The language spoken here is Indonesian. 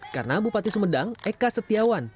karena bupati sumedang eka setiawan